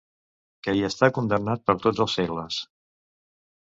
...que hi està condemnat per tots els segles.